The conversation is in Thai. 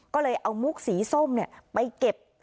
ก็เลยเอามุกสีส้มไปเก็บ